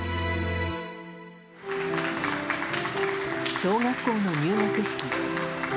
小学校の入学式。